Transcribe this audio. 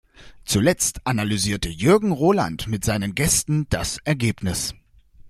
Zuletzt analysierte Jürgen Roland mit seinen Gästen das Ergebnis.